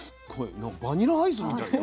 なんかバニラアイスみたいよ。